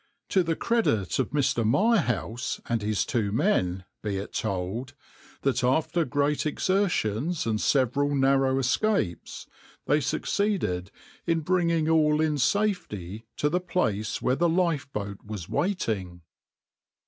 To the credit of Mr. Mirehouse and his two men, be it told, that after great exertions and several narrow escapes they succeeded in bringing all in safety to the place where the lifeboat was in waiting.